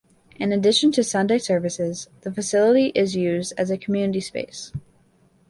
In addition to Sunday services, the facility is used as a community space.